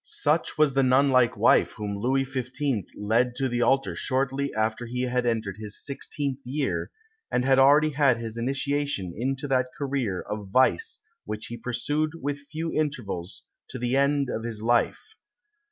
Such was the nun like wife whom Louis XV. led to the altar shortly after he had entered his sixteenth year, and had already had his initiation into that career of vice which he pursued with few intervals to the end of his life.